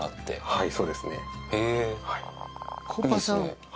はい。